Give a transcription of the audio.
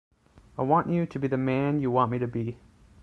I want you to be the man you want me to be.